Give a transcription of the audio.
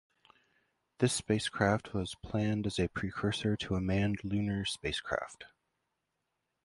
This spacecraft was planned as a precursor to a manned lunar spacecraft.